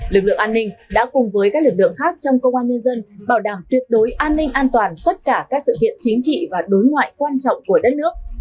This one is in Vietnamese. lực lượng an ninh đã cùng với các lực lượng khác trong công an nhân dân bảo đảm tuyệt đối an ninh an toàn tất cả các sự kiện chính trị và đối ngoại quan trọng của đất nước